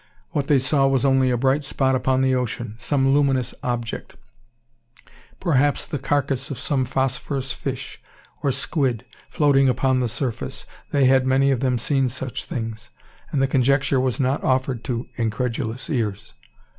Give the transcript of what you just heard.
What they saw was only a bright spot upon the ocean, some luminous object perhaps the carcass of some phosphorous fish, or "squid," floating upon the surface. They had many of them seen such things; and the conjecture was not offered to incredulous ears.